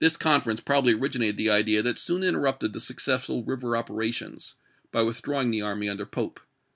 conference probably originated the idea that soon interrnpted the successful rivei' operations, by with drawing the army under Pope.